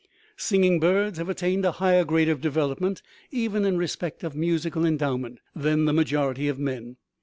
Singing birds have attained a higher grade of development, even in respect of musical endowment, than the ma jority of men.